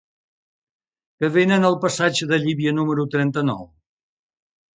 Què venen al passatge de Llívia número trenta-nou?